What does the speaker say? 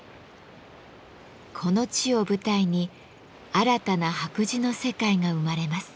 この地を舞台に新たな白磁の世界が生まれます。